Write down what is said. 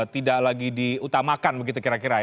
tidak lagi diutamakan begitu kira kira ya